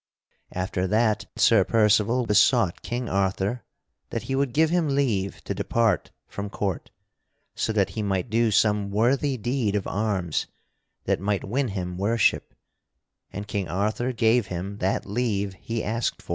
After that Sir Percival besought King Arthur that he would give him leave to depart from court so that he might do some worthy deed of arms that might win him worship; and King Arthur gave him that leave he asked for.